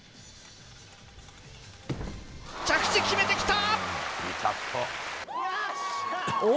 着地、決めてきた！